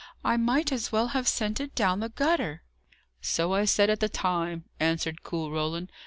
I might as well have sent it down the gutter." "So I said at the time," answered cool Roland.